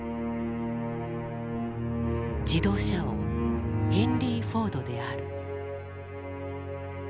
自動車王ヘンリー・フォードである。